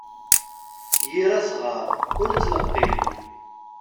Yir asɣar, ur ttleqqim.